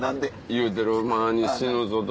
言うてる間に「死ぬぞ」と。